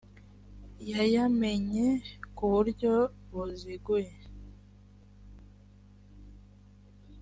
yayamenye ku buryo buziguye